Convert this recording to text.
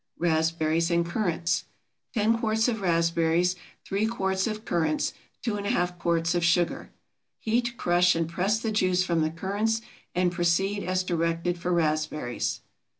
RASPBERRIES AND CURRANTS. 10 quarts of raspberries. 3 quarts of currants. 2½ quarts of sugar. Heat, crush, and press the juice from the currants and proceed as directed for raspberries.